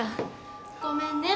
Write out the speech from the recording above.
ごめんね。